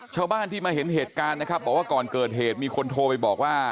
ชาวบ้านที่มาเห็นเหตุการณ์นะครับบอกว่าก่อนเกิดเหตุมีคนโทรไปบอกว่า